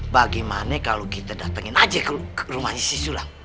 bagaimana kalo kita datengin aja ke rumahnya si sulam